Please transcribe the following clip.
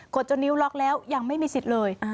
จนนิ้วล็อกแล้วยังไม่มีสิทธิ์เลย